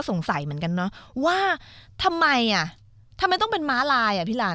สงสัยเหมือนกันเนาะว่าทำไมล่ะทำไมต้องเป็นม้าลาย